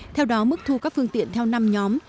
theo đó mức thu các phương tiện theo năm nhóm